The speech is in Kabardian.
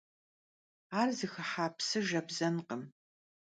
Ar zıxıha psı jjebzenkhım.